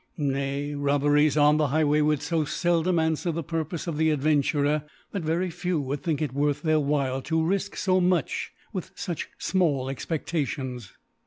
Nay Robberies on the Highway would (b feldom anfwer the Purpofe of the Adven turer, that very few would think it worth their while to rifque fo mtch with fuch fmalt Expectations.